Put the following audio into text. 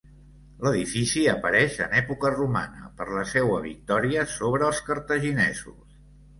L'edifici apareix en època romana per la seua victòria sobre els cartaginesos.